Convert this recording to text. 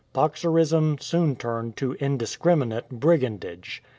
Boxerism soon turned to indis criminate brigandage.